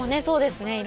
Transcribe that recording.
そうですね。